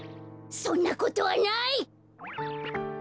そんなことはない！